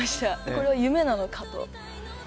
これが夢なのかと。